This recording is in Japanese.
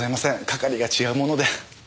係が違うもので。